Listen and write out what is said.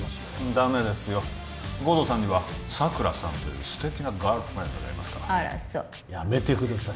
ダメですよ護道さんには佐久良さんという素敵なガールフレンドがいますからあらそうやめてください